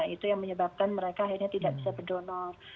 itu yang menyebabkan mereka akhirnya tidak bisa berdonor